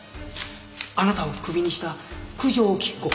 あなたをクビにした九条菊子